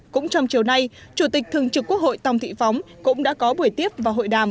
cũng trong chiều nay chủ tịch thường trực quốc hội tòng thị phóng cũng đã có buổi tiếp và hội đàm